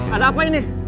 ada apa ini